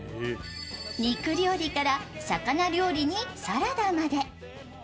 肉料理から魚料理にサラダまで。